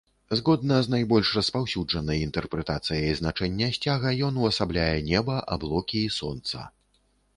Згодна з найбольш распаўсюджанай інтэрпрэтацыяй значэння сцяга, ён увасабляе неба, аблокі і сонца.